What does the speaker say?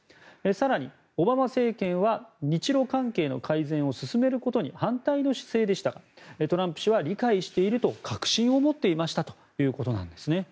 更に、オバマ政権は日ロ関係の改善を進めることに反対の姿勢でしたがトランプ氏は理解していると確信を持っていましたということなんですね。